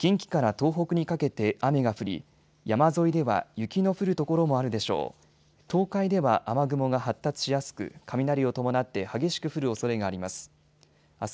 東海では雨雲が発達しやすく雷を伴って激しく降るおそれがあります。